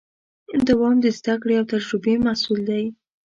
دوام د زدهکړې او تجربې محصول دی.